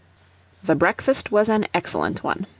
The breakfast was an excellent one.